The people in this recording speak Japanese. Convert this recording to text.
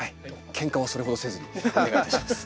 ケンカはそれほどせずにお願いいたします。